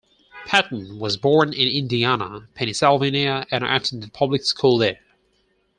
Patton was born in Indiana, Pennsylvania and attended public school there.